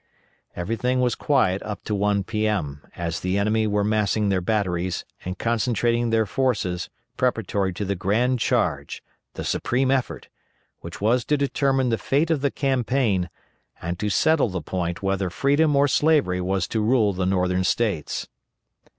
Everything was quiet up to 1 P.M., as the enemy were massing their batteries and concentrating their forces preparatory to the grand charge the supreme effort which was to determine the fate of the campaign, and to settle the point whether freedom or slavery was to rule the Northern States.